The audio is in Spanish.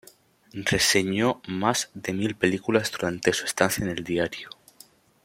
Reseñó más de mil películas durante su estancia en el diario.